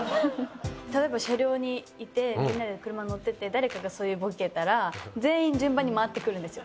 たとえば車両にいてみんなで車に乗ってて誰かがそういうボケたら全員順番に回ってくるんですよ。